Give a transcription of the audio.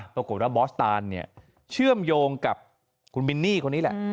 บอกว่าบอสตานเนี่ยเชื่อมโยงกับคุณมินนี่คนนี้แหละ